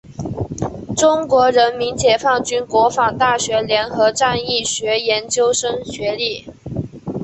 中国人民解放军国防大学联合战役学研究生学历。